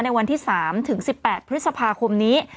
ในวันที่๓ถึง๑๘พฤษภาคมนี้